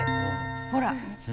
ほら。